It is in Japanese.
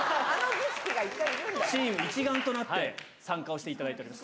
チーム一丸となって、参加をしていただいております。